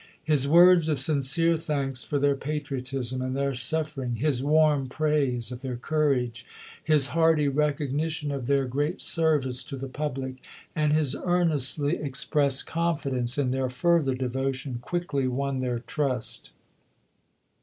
His words of sincere chap. vii. thanks for their patriotism and their suffering, his warm praise of theu* courage, his hearty recogni tion of their great service to the pubhc, and his earnestly expressed confidence in their further de votion, quickly won their trust.